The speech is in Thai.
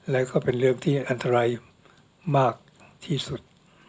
และก็เป็นเรื่องที่อันตรายมากที่สุด